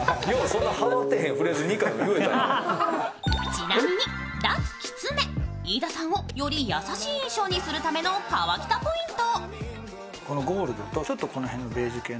ちなみに、脱キツめ、飯田さんをより優しい印象にするための河北ポイント。